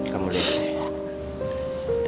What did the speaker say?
kamu boleh pergi